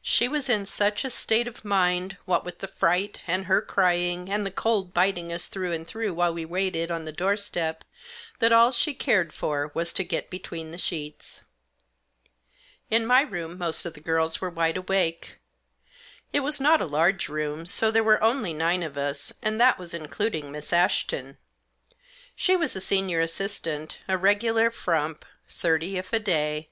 She was in such a state of mind, what with the fright, and her crying, and the cold biting us through and through while we waited on the doorstep, that all she cared for was to get between the sheets. In my room most of the girls were wide awake. It was not a large room, so there were only nine of us, and that was including Miss Ashton. She was the senior assistant, a regular frump, thirty if a day.